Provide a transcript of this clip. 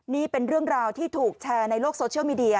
นี่เป็นเรื่องราวที่ถูกแชร์ในโลกโซเชียลมีเดีย